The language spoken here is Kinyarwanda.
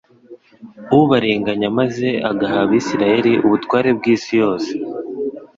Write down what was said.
ubarenganya maze agaha Abisiraeli ubutware bw'isi yose.